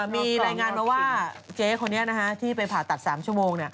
มีรายงานว่าเจ้ามันที่ไปผ่าตัด๓ชั่วโมง